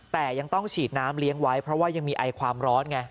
แต่ยังต้องฉีดน้ำเลี้ยงไว้เพราะว่ายังมีไอความร้อนไง